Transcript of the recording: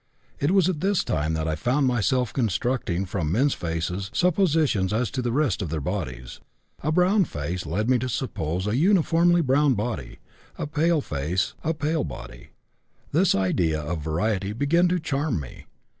It was at this time that I found myself constructing from men's faces suppositions as to the rest of their bodies: a brown face led me to suppose a uniformly brown body, a pale face a pale body. This idea of variety began to charm me.